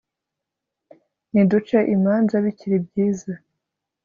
Niduce imanza bikiri byiza